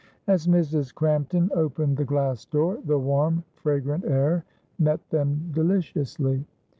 As Mrs. Crampton opened the glass door, the warm fragrant air met them deliciously.